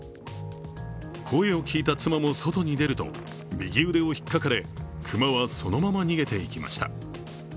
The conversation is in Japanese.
声を聞いた妻も外に出ると右腕をひっかかれ熊はそのまま逃げていきました。